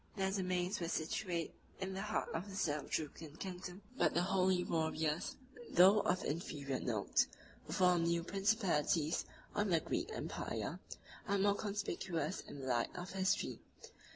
Their domains were situate in the heart of the Seljukian kingdom; but the holy warriors, though of inferior note, who formed new principalities on the Greek empire, are more conspicuous in the light of history.